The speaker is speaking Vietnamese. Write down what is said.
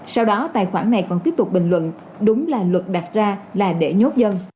sau đó tài khoản này vẫn tiếp tục bình luận đúng là luật đặt ra là để nhốt dân